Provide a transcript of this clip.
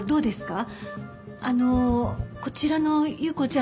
あのこちらのユウコちゃんは。